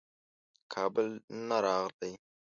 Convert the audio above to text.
کابل نه راغلی.